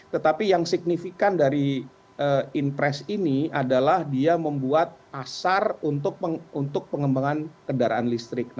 tetapi yang signifikan dari inpres ini adalah dia membuat pasar untuk pengembangan kendaraan listrik